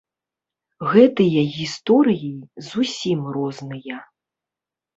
Гэтыя гісторыі зусім розныя.